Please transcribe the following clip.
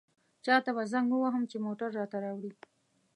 چاته به زنګ ووهم چې موټر راته راوړي.